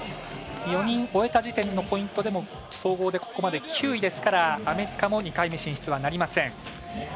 ４人終えた時点のポイントでも総合でここまで９位ですからアメリカも２回目進出はなりません。